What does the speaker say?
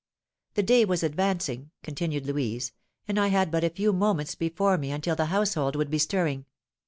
"The day was advancing," continued Louise, "and I had but a few moments before me until the household would be stirring.